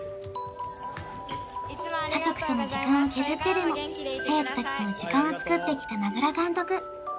家族との時間を削ってでも生徒たちとの時間を作ってきた名倉監督